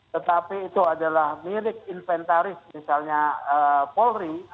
tetapi itu adalah milik inventaris misalnya polri